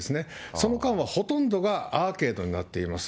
その間はほとんどがアーケードになっています。